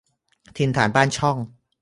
ถิ่นฐานบ้านช่อง